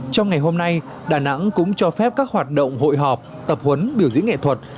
trong ngày hôm nay đà nẵng cũng cho phép các hoạt động hội họp tập huấn biểu diễn nghệ thuật